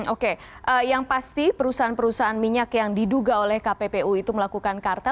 oke yang pasti perusahaan perusahaan minyak yang diduga oleh kppu itu melakukan karta